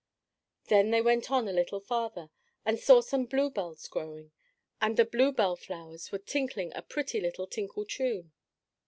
Then they went on a little farther and saw some bluebells growing, and the bluebell flowers were tinkling a pretty little tinkle tune.